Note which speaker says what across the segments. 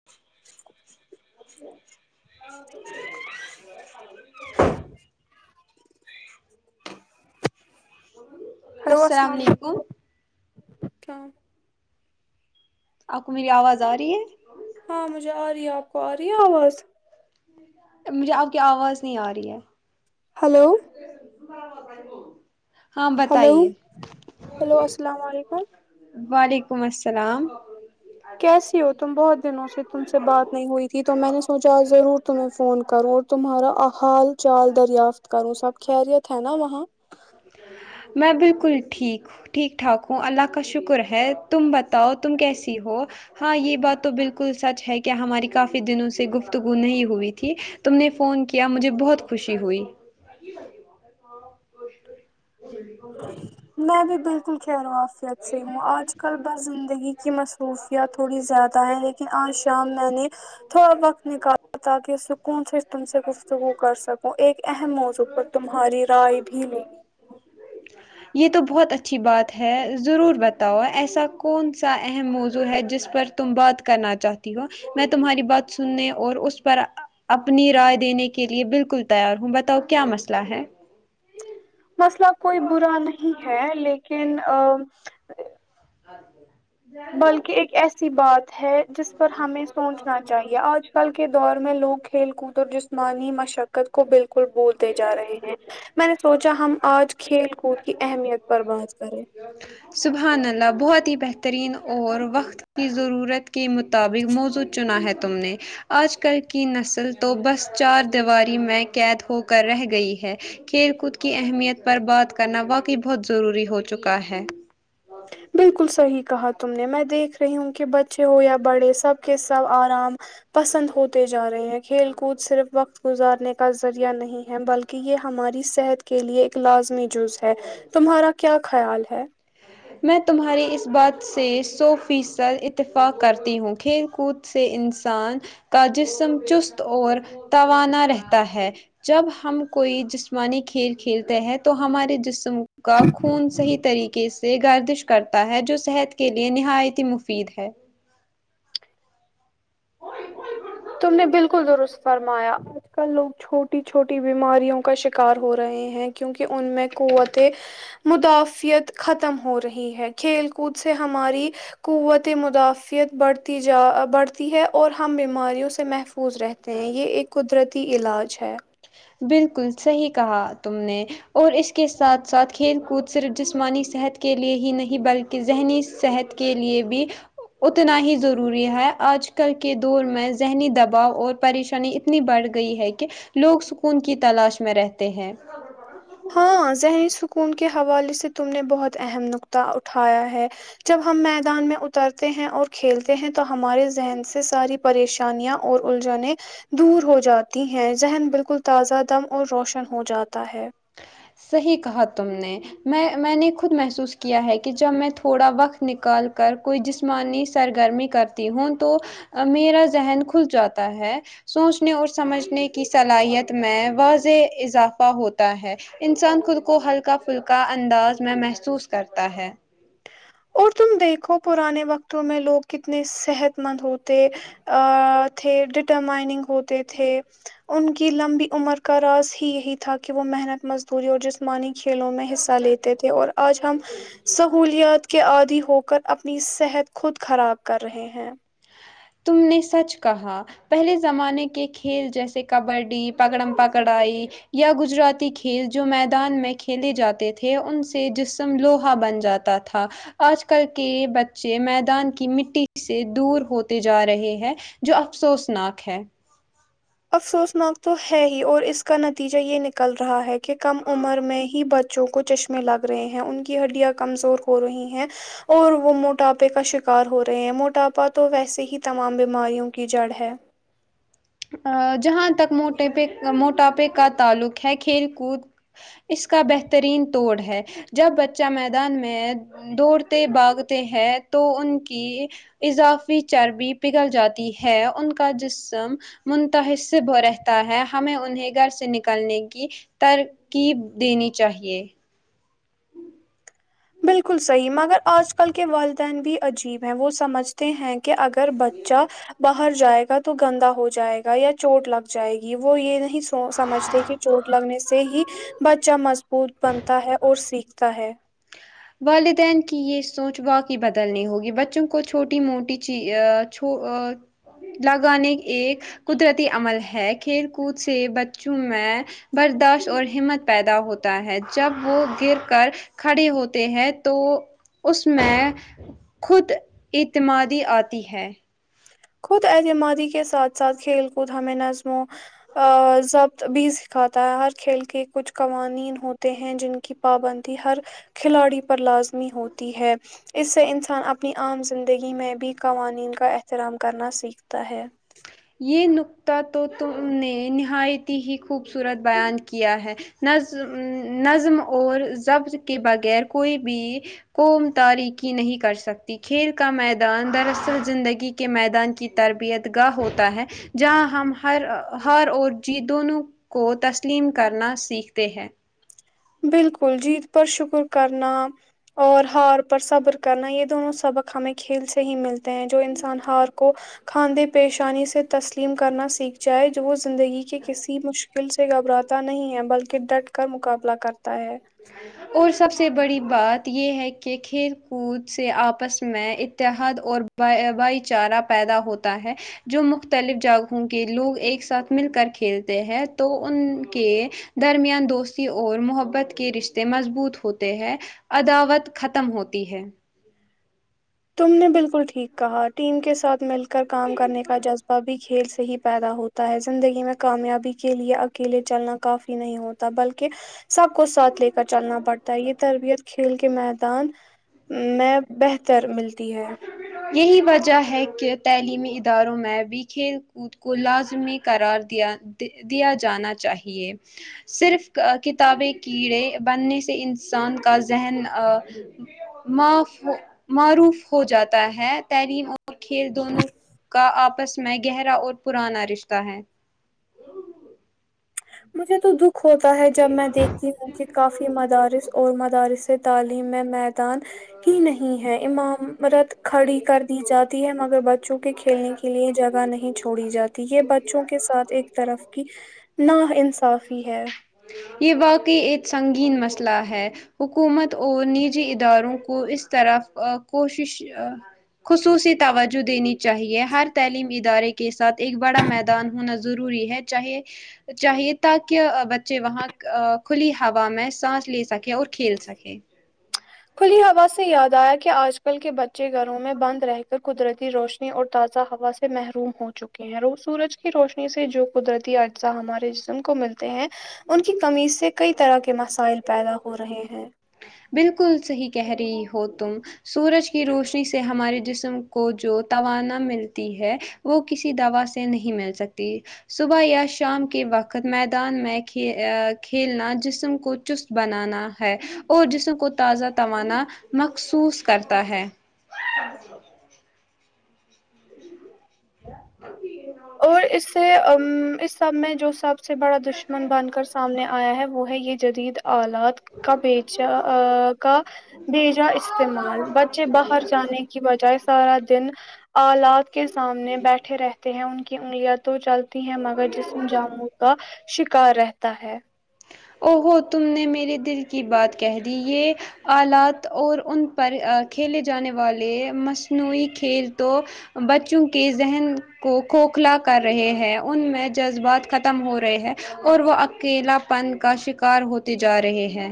Speaker 1: [inaudible] [inaudible]
Speaker 2: hello السلام عیکم کیا
Speaker 1: آپ کو میری آواز آ رہی ہے
Speaker 2: ہاں مجھے آ رہی ہے آپ کو آ رہی ہے آواز
Speaker 1: مجھے آپ کی آواز نہیں آ رہی ہے
Speaker 2: ہلو
Speaker 1: ہاں
Speaker 2: ہلو
Speaker 1: بتائیے
Speaker 2: ہلو السلام علیکم
Speaker 1: وعلیکم السلام
Speaker 2: کیسی ہو تم بہت دنوں سے تم سے بات نہیں ہوئی تھی تو میں نے سوچا ضرور تمہیں فون کروں تمہارا حال چال دریافت کروں سب خیریت ہے نا وہاں
Speaker 1: میں بالکل ٹھیک ہوں ٹھیک ٹھاک ہوں اللہ کا شکر ہے تم بتاؤ تم کیسی ہو ہاں یہ بات تو بالکل سچ ہے کہ ہماری کافی دنوں سے گفتگو نہیں ہوئی تھی تم نے فون کیا مجھے بہت خوشی ہوئی [inaudible]
Speaker 2: میں بھی بالکل خیرو آف اچھی ہوں آج کل بس زندگی کی مصروفیات تھوڑی زیادہ ہے لیکن آج [unintelligible] تھوڑا وقت نکالا تاکہ سکون سے تم سے گفتگو کر سکوں ایک اہم موضوع اور تمہاری رائے بھی لوں
Speaker 1: یہ تو بہت اچھی بات ہے ضرور بتاؤ ایسا کون سا اہم موضوع ہے جس پر تم بات کرنا چاہتی ہو میں تمہاری بات سننے اور اس پر اپنی رائے دینے کے لیے بالکل تیار ہوں بتاؤ کیا مسئلہ ہے
Speaker 2: مسئلہ کوئی برا نہیں ہے لیکن ا بلکہ ایک ایس سی بات ہے جس پر ہمیں سوچنا چاہیے آج کل کے دور میں لوگ کھیل کود اور جسمانی مشقت کو بالکل بھولتے جا رہے ہیں میں نے سوچا ہم آج کھیل کود کی اہمیت پر بات کریں
Speaker 1: سبحان اللہ بہت ہی بہترین اور وقت کی ضرورت کے م طابق موضوع چنا ہے تم نے آج کل کی نسل تو بس چار دیواری میں قید ہو کر رہ گئی ہے کھیل کود کی اہمیت پر بات کرنا واقعی بہت ضروری ہو چکا ہے
Speaker 2: بالکل صحیح کہا تم نے میں دیکھ رہی ہوں کہ ب چے ہو یا بڑے سب کے سب آرام پسند ہوتے جا رہے ہیں کھیل کود صرف وقت گزارنے کا ذریعہ نہیں ہے بلکہ یہ ہماری صحت کے لیے ایک لازمی جز ہے تمہارا کیا خیال ہے
Speaker 1: میں تمہاری اس بات سے سو فیصد اتفاق کرتی ہوں کھیل کود سے انسان کا جسم چست اور توانا رہتا ہے جب ہم کوئی جسمانی کھیل کھیلتے ہیں تو ہمارے جسم کا خون صحیح طریقہ کے سے گردش کرتا ہے جو صحت کے لیے نہایت ہی مفید ہے کوئی کوئی گڑ گ
Speaker 2: تم نے بالکل درست فرمایا آج کل لوگ چھوٹی چھوٹی بیماریوں کا شکار ہو رہے ہیں کیونکہ ان میں قوتیں مدافعت ختم ہو رہی ہے کھیل کود سے ہماری قوت مدافعت بڑھتی جا بڑھتی ہے اور ہم بیماریوں سے محفوظ رہتے ہیں یہ ایک قدرتی علاج ہے
Speaker 1: بالکل صحیح کہا تم نے اور اس کے ساتھ ساتھ کھیل کود صرف جسمانی صحت کے لیے ہی نہیں بل کی ذہنی صحت کے لیے بھی اتنا ہی ضروری ہے آج کل کے دور میں ذہنی دباؤ اور پریشانی اتنی بڑھ گئی ہے کہ لوگ سکون کی تلاش میں رہتے ہیں
Speaker 2: ہاں ذہنی سکون کے حوالے سے تم نے بہت اہم نقطہ اٹھایا ہے جب ہم میدان میں اترتے ہیں اور کھیلتے ہیں تو ہمارے ذہن سے ساری پریشانیاں اور الجھنیں دور ہو جاتی ہیں ذہن بالکل تازہ دم اور روشن ہو جاتا ہے
Speaker 1: صحیح کہا تم نے میں میں نے خود محسوس کیا ہے کہ جب میں تھوڑا وقت نکال کر کوئی جس مانی سرگرمی کرتی ہوں تو میرا ذہن کھل جاتا ہے سوچنے اور سمجھنے کی صلاحیت میں واضح اضافہ ہوت تا ہے انسان خود کو ہلکا پھلکا انداز میں محسوس کرتا ہے
Speaker 2: اور تم دیکھو پرانے وقتوں میں لوگ کتنے صحت مند ہوتے ا تھے ڈٹرمائننگ ہوتے تھے ان کی لمبی عمر کا راز ہی یہی تھا کہ وہ محنت مز پوری اور جسمانی کھیلوں میں حصہ لیتے تھے اور آج ہم سہولیات کے عادی ہو کر اپنی صحت خود خراب کر رہے ہیں
Speaker 1: تم نے سچ کہا پہلے زمانے کے کھیل جیسے کبڈی پگڑم پکڑائی یا گجراتی کھیل جو میدان میں کھیلے جاتے تھے ان سے جسم لوہا بن جات تا تھا آج کل کے بچے میدان کی مٹی سے دور ہوت تے جا رہے ہیں جو افسوسناک ہے
Speaker 2: افسوسناک تو ہے ہی اور اس کا نتیجہ یہ نکل رہا ہے کہ کم عمر میں ہی ب جو کو چشمے لگ رہے ہیں ان کی ہڈیاں کمزور ہو رہی ہیں اور وہ موٹاپے کا شکار ہو رہے ہیں موٹاپا تو ویسے ہی تمام بیماریوں کی جڑ ہے
Speaker 1: ا جہاں تک موٹے پے موٹاپے کا تعلق ہے کھیل کود اس کا بہترین توڑ ہے جب بچہ میدان میں دوڑتے بھاگتے ہیں تو ان کی اضافی چربی پگھل جاتی ہے ان کا جسم منتحسب رہتا ہے ہمیں انہیں گھر سے نکلنے کی ترکیب دینی چاہیے
Speaker 2: بالکل صحیح مگر آج کل کے والدین بھی عجیب ہیں وہ سمجھ تے ہیں کہ اگر بچہ باہر جائے گا تو گندا ہو جائے گا یا چوٹ لگ جائے گی وہ یہ نہیں سو سمجھتے کہ چوٹ لگنے سے ہی بچہ مضبوط بنتا ہے اور سیکھتا ہے
Speaker 1: والدین کی یہ سوچ واقعی بدلنی ہوگی بچوں کو چھوٹی موٹی چی آ چھو آ لگانے ایک قدرتی عمل ہے کھیل کود سے بچوں میں برداشت اور ہمت پیدا ہوتا ہے جب وہ گر کر کھڑے ہو تے ہیں تو اس میں خود اعتمادی آتی ہے
Speaker 2: خود اعتمادی کے ساتھ ساتھ کھیل کود ہمیں نظموں آضبط بھی سکھاتا ہے ہر کھیل کے کچھ قوانین ہوتے ہیں جن کی پابندی ہر کھلاڑی پر لازمی ہوتی ہے اس سے انسان اپنی عام زندگی میں بھی قوانین کا احترام کرنا سیکھتا ہے
Speaker 1: یہ نکتہ تو تم نے نہایت ہی خوبصورت بیان کیا ہے نزم نظم اور ضبط کے بغیر کوئی بھی قوم تاریکی نہیں کر سک کھیل کا میدان دراصل زندگی کے میدان کی تربیت گاہ ہوتی تا ہے جہاں ہم ہر ہار اور جیت دونوں کو تسلیم کرنا سیکھتے ہیں
Speaker 2: بالکل جیت پر شکر کرنا اور ہار پر صبر کرنا یہ دونوں سبق ہمیں کھیل سے ہی مل تے ہیں جو انسان ہار کو کھاندے پیشانی سے تسلیم کرنا سیکھ جائے جو وہ زندگی کے کسی مش دل سے گھبراتا نہیں ہے بلکہ ڈٹ کر مقابلہ کرتا ہے
Speaker 1: [inaudible] اور سب سے بڑی بات یہ ہے کہ کھیل کود سے آپس میں اتحاد اور ب بھائی چارہ پیدا ہوتا ہے جو مختلف جگہوں کے لوگ ایک ساتھ مل کر کھیلتے ہیں تو ان کے درمیان دوستی اور محبت کے رشتے مضبوط ہوتے ہیں عداوت ختم ہوتی ہے
Speaker 2: تم نے بالکل ٹھیک کہا ٹیم کے ساتھ مل کر کام کرنے کا جذبہ بھی کھیل سے ہی پیدا ہو تا ہے زندگی میں کامیابی کے لیے اکیلے چلنا کافی نہیں ہوتا بلکہ سب کو ساتھ لے کر چلنا پڑتا ہے یہ تربیت کھیل کے میدان میں بہتر ملتی ہے
Speaker 1: یہی وجہ ہے کہ تعلیمی اداروں میں بھی کھیل کود کو لازمی قرار دیا دیا جانا چاہیے صرف کتابیں کیڑے بننے سے انسان کا ذہن آ معاف مع ر ہو جاتا ہے تعلیم اور کھیل دونوں کا آپس میں گہرا اور پرانا رش تہ ہے
Speaker 2: مجھے تو دکھ ہوتا ہے جب میں دیکھتی ہوں کہ کافی مدارس اور مدارس س تعلیم میں متھ کی نہیں ہے امامرت کھڑی کر دی جاتی ہے مگر بچ چوں کے کھیلنے کے لیے جگہ نہیں چھوڑی جاتی ہے یہ بچوں کے ساتھ ایک طرف کی نہ انصافی ہے
Speaker 1: یہ واقعی ایک سنگین مسئلہ ہے حکومت اور نجی اداروں کو اس طرح کوشش خصوصی توجہ دینی چاہیے ہر تعلیمی ادارے کے ساتھ ایک بڑا میدان ہونا ضروری ہے چاہے چاہیے تا کہ بچے وہاں کھلی ہوا میں سانس لے سکیں اور کھیل سکیں
Speaker 2: کھلی ہوا سے یاد آیا کہ آج کل کے بچے گھروں میں بند رہ کر قدرتی روشنی اور تازہ ہوا سے محروم ہو چک اور وہ سورج کی روشنی سے جو قدرتی اجزا ہمارے جسم کو ملتے ہیں ان کی کمی سے کئی طرح کے مسائل پیدا ہو رہے ہیں
Speaker 1: بالکل صحیح کہہ رہی ہو تم سورج کی روشنی سے ہمارے جسم کو جو توانا ملتی ہے وہ کسی دوا سے نہیں مل سکتی صبح یا شام کے وقت میدان میں کھیلنا جسم کو چست بنانا ہے اور جسم کو تازہ توانا مخصوص کرتا ہے [unintelligible]
Speaker 2: اور اس سے ا اس سب میں جو سب سے بڑا دشمن بن کر سک سامنے آیا ہے وہ ہے یہ جدید آلات کا بیچ ا کا بھیجا استعمال بچے باہر جانے کی بجائے سارا دن آلات کے سامنے بیٹھے رہتے ہیں ان کی انگلیا تو چل تی ہیں مگر جسم جاموں کا شکار رہتا ہے
Speaker 1: او ہوو تم نے میرے دل کی بات کہہ دی یہ آلات اور ان پر کھیلے جانے والے مصنوعی کھیل تو بچوں کے ذہن کو کھوکھلا کر رہے ہیں ان میں جذبات ختم ہو رہے ہیں اور وہ اکیلا پن کا شکار ہوتے جا رہے ہیں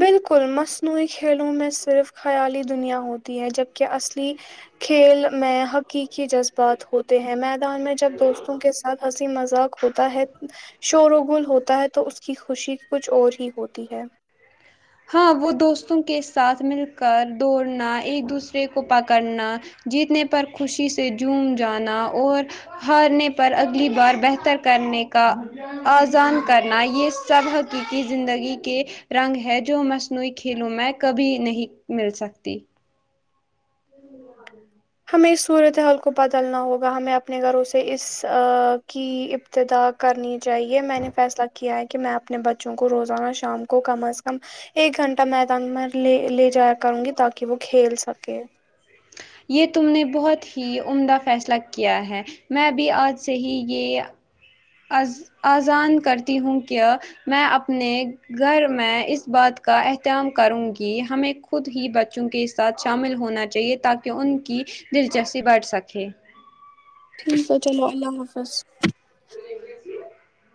Speaker 2: بالکل مصنوعی کھیلوں میں صرف خیالی دنیا ہوتی ہے جبکہ اصلی کھیل میں حقیقی جذبات ہوتے ہیں میدان میں جب دوستوں کے ساتھ سے مذاق ہوتا ہے شور و گول ہوتا ہے تو اس کی خوشی کچھ اور ہی ہوتی ہے
Speaker 1: ہاں وہ دوستوں کے ساتھ مل کر دوڑنا ایک دوسرے کو پکڑنا جیتنے پر خوشی سے جوم جانا اور ہارنے پر اگلی بار بہتر کرنے کا آزان کرنا یہ سب حقیقی زندگی کے رنگ ہیں جو مصنوعی کھیلوں میں کبھی نہیں مل سکتی [unintelligible]
Speaker 2: ہمیں اس صورتحال کو بدلنا ہوگا ہمیں اپنے گھروں سے اس کی ابتدا کرنی چاہیے میں نے فیصلہ کیا ہے کہ میں اپنے بچوں کو روزانہ شام کو کم از کم ایک گھنٹہ میدان میں لے لے جایا کروں گی تاکہ وہ کھیل سکے
Speaker 1: یہ تم نے بہت ہی عمدہ فیصلہ کیا ہے میں بھی آج سے ہی یہ از آذان کرتی ہوں کیا میں اپنے گھر میں اس بات کا احتمام کروں گی ہمیں خود ہی بچوں کے ساتھ شامل ہونا چاہیے تاکہ ان کی دلچسپی بڑھ سکے
Speaker 2: ٹھیک ہے چلو اللہ حافظ
Speaker 1: [unintelligible]